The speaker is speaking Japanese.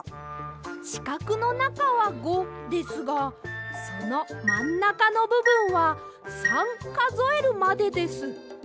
しかくのなかは５ですがそのまんなかのぶぶんは３かぞえるまでです。